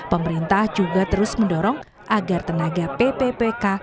pemerintah juga terus mendorong agar tenaga pppk